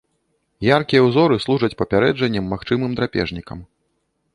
Яркія ўзоры служаць папярэджаннем магчымым драпежнікам.